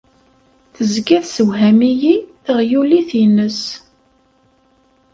Tezga tessewham-iyi teɣyulit-nnes.